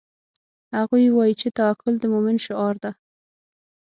هغوی وایي چې توکل د مومن شعار ده